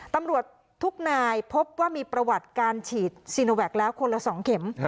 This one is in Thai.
ตำรวจทุกนายพบว่ามีประวัติการฉีดซีโนแวคแล้วคนละ๒เข็ม